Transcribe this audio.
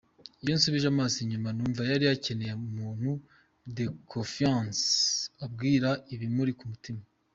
Iyo nsubije amaso inyuma numva yari akeneye umuntu de confiance abwira ibimuri ku mutima.